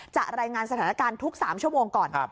รายงานสถานการณ์ทุก๓ชั่วโมงก่อน